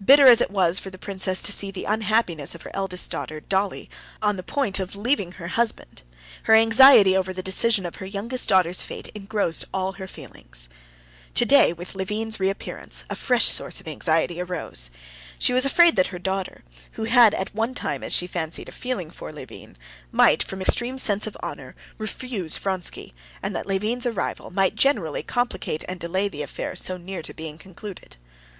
Bitter as it was for the princess to see the unhappiness of her eldest daughter, Dolly, on the point of leaving her husband, her anxiety over the decision of her youngest daughter's fate engrossed all her feelings. Today, with Levin's reappearance, a fresh source of anxiety arose. She was afraid that her daughter, who had at one time, as she fancied, a feeling for Levin, might, from extreme sense of honor, refuse Vronsky, and that Levin's arrival might generally complicate and delay the affair so near being concluded.